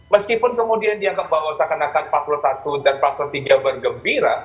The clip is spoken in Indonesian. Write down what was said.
meskipun kemudian dianggap bahwa seakan akan empat puluh satu dan pasal tiga bergembira